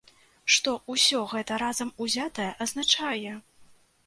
Што ўсё гэта разам узятае азначае?